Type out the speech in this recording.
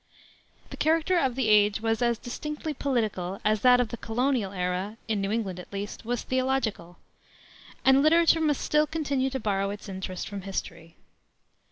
The character of the age was as distinctly political as that of the colonial era in New England at least was theological; and literature must still continue to borrow its interest from history.